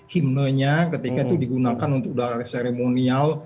himnonya ketika itu digunakan untuk darah seremonial